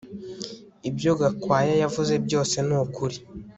Ibyo Gakwaya yavuze byose ni ukuri